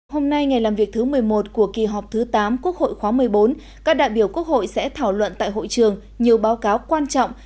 hôm nay ngày làm việc thứ một mươi một của kỳ họp thứ tám quốc hội khóa một mươi bốn các đại biểu quốc hội sẽ thảo luận tại hội trường nhiều báo cáo quan trọng